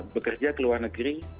bekerja ke luar negeri